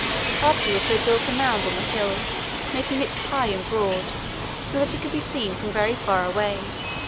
Afterwards they built a mound on the hill, making it high and broad so that it could be seen from very far away.